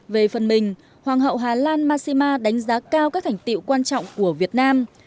về phần mình hoàng hậu hà lan massima đánh giá cao các thành tiệu quan trọng của việt nam